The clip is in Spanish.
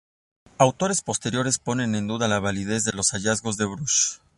Autores posteriores ponen en duda la validez de los hallazgos de Brush.